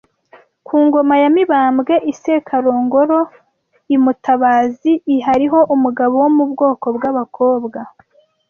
Ku ngoma ya Mibambwe I Sekarongoro I Mutabazi I hariho umugabo wo mu bwoko bw’Abakobwa